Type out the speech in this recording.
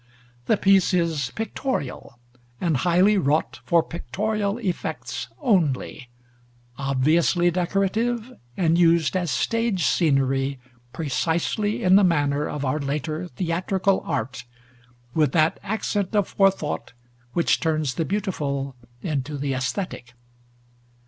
The piece is pictorial, and highly wrought for pictorial effects only, obviously decorative and used as stage scenery precisely in the manner of our later theatrical art, with that accent of forethought which turns the beautiful into the aesthetic.